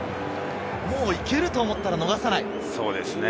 もう行けると思ったら、逃がさない。